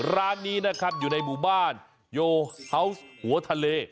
ร้านนี้นะครับอยู่ในหมู่บ้านโยฮาวส์หัวทะเล